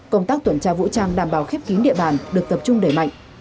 công tác tuần tra vũ trang đảm bảo khép kín địa bàn được tập trung đẩy mạnh